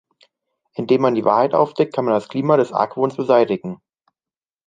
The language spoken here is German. Indem man die Wahrheit aufdeckt, kann man das Klima des Argwohns beseitigen.